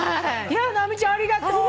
直美ちゃんありがとう。